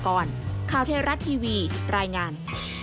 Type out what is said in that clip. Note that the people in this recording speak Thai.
ข่าวเทราะทีวีรายงาน